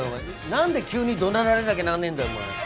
なんで急に怒鳴られなきゃなんねえんだよお前。